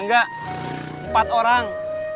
nggak empat orang